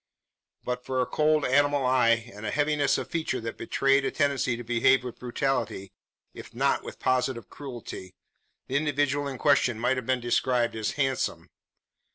But for a cold animal eye, and a heaviness of feature that betrayed a tendency to behave with brutality if not with positive cruelty the individual in question might have been described as handsome.